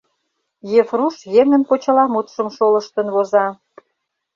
Ефруш еҥын почеламутшым шолыштын воза.